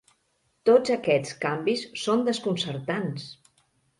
Tots aquests canvis són desconcertants!